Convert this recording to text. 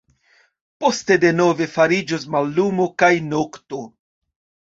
Poste denove fariĝos mallumo kaj nokto.